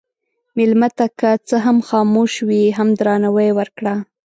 مېلمه ته که څه هم خاموش وي، هم درناوی ورکړه.